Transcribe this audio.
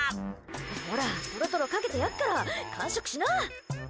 ほら、トロトロかけてやっから完食しな！